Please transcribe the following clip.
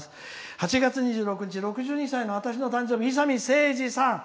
８月２６日６２歳の私の誕生日いさみせいじさん。